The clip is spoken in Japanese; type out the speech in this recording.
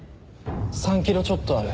３キロちょっとある。